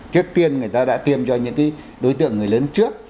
trước tiên người ta đã tiêm cho những đối tượng người lớn trước